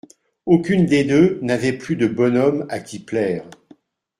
Aucune des deux n’avait plus de bonhomme à qui plaire.